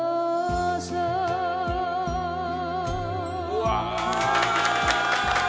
うわ！